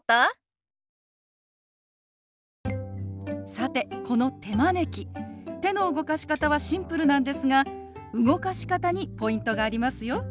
さてこの手招き手の動かし方はシンプルなんですが動かし方にポイントがありますよ。